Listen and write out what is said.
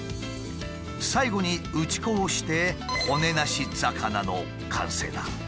最後に打ち粉をして骨なし魚の完成だ。